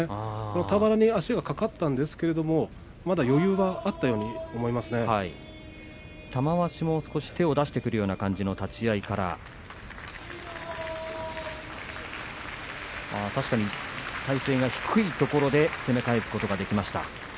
俵に足はかかったんですがまだ余裕があったように玉鷲も手を出してくるような感じの立ち合いから体勢が確かに低いところで攻め返すことができました。